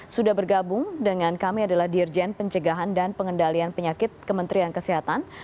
sudah bergabung dengan kami adalah dirjen pencegahan dan pengendalian penyakit kementerian kesehatan